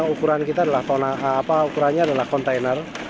ukuran kita adalah kontainer